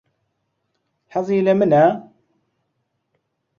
حەزی لە منە؟